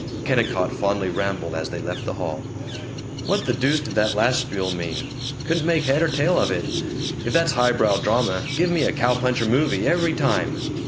Kennicott fondly rambled as they left the hall: "What the deuce did that last spiel mean? Couldn't make head or tail of it. If that's highbrow drama, give me a cow puncher movie, every time!